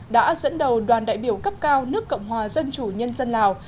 đã dẫn đầu đoàn đại biểu cấp cao nước cộng hòa dân chủ nhân dân lào